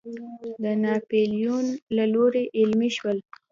د ناپیلیون له لوري عملي شول.